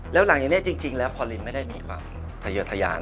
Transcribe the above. แล้วหลังจากนี้จริงแล้วพอลินไม่ได้มีความทะเยอะทะยาน